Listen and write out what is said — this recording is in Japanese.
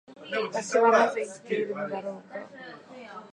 私はなぜ生きているのだろうか。